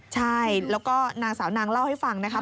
ใช่แล้วก็นางสาวนางเล่าให้ฟังนะครับ